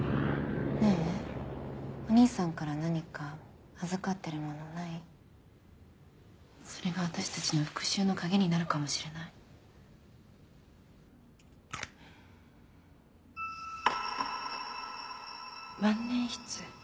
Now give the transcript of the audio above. ねぇお兄さんから何か預かってるものそれが私たちの復讐の鍵になるかもし万年筆